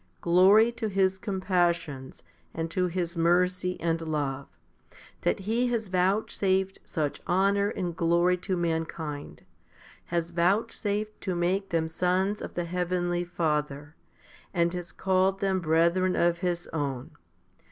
Glory to His com passions and to His mercy and love, that He has vouchsafed such honour and glory to mankind, has vouchsafed to make them sons of the heavenly Father, and has called them brethren of His own.